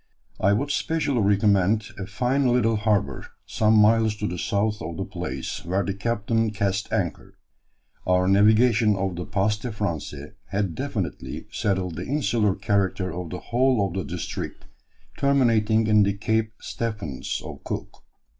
I would specially recommend a fine little harbour, some miles to the south of the place, where the captain cast anchor. Our navigation of the 'Passe des Français' had definitively settled the insular character of the whole of the district terminating in the 'Cape Stephens' of Cook.